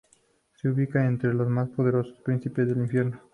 Se le ubica entre los más poderosos príncipes del infierno.